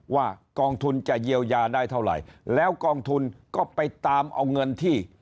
ว่ากองทุนจะเยียวยาได้เท่าไหร่แล้วกองทุนก็ไปตามเอาเงินที่